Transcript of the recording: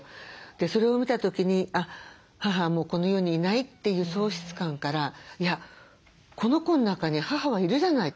それを見た時に母はもうこの世にいないという喪失感からいやこの子の中に母はいるじゃない。